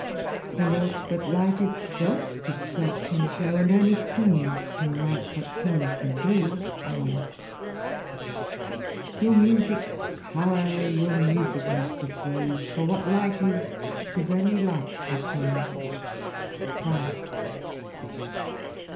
" For nought but light itself, itself can shew, And only kings can write, what kings can do." Allbtni. THE RAMBLER, i6i " Your musick's power, your musick must disclose, For what light is, 'tis only light that shews. " Prior.